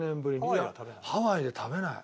ハワイで食べない。